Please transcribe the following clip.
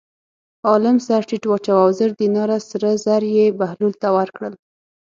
عالم سر ټیټ واچاوه او زر دیناره سره زر یې بهلول ته ورکړل.